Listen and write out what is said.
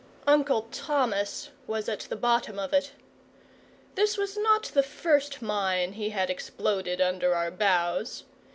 Uncle Thomas was at the bottom of it. This was not the first mine he had exploded under our bows.